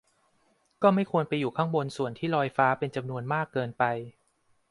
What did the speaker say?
ก็ไม่ควรไปอยู่ข้างบนส่วนที่ลอยฟ้าเป็นจำนวนมากเกินไป